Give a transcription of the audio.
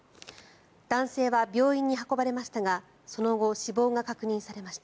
男性は病院に運ばれましたがその後、死亡が確認されました。